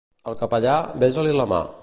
Al capellà, besa-li la mà.